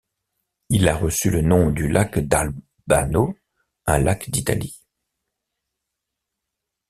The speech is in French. Il a reçu le nom du lac d'Albano, un lac d'Italie.